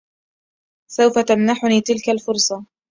سوف تمنحني تلك الفرصة.